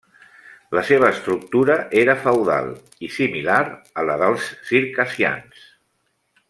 La seva estructura era feudal i similar a la dels circassians.